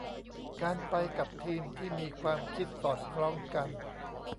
การไปกับทีมที่มีความคิดสอดคล้องกัน